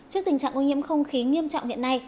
trước tình trạng ô nhiễm không khí nghiêm trọng hiện nay